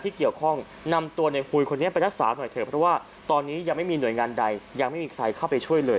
อ๋อตีทำไมครับผมมันเครียดมันเครียด